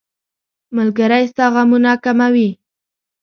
ملګری ستا غمونه کموي.